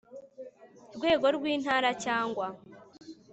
rwego rw Intara cyangwa